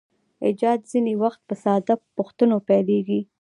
ایجاد ځینې وخت په ساده پوښتنو پیلیږي.